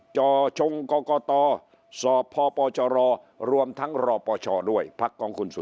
จชงกกตสอบพปชรรรวมทั้งรปชรด้วยพักกคุณสุ